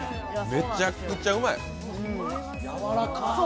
めちゃくちゃうまい。